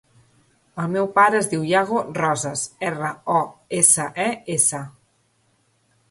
El meu pare es diu Yago Roses: erra, o, essa, e, essa.